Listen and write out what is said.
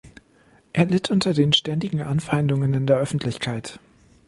Er litt unter den ständigen Anfeindungen in der Öffentlichkeit.